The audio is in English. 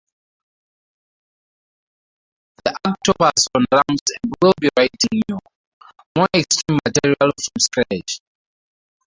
The Arctopus on drums and will be writing new, more extreme material from scratch.